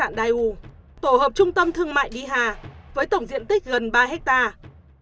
khách sạn đài u tổ hợp trung tâm thương mại đi hà với tổng diện tích gần ba hectare